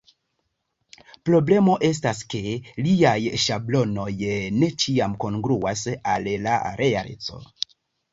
Problemo estas ke liaj ŝablonoj ne ĉiam kongruas al la realeco.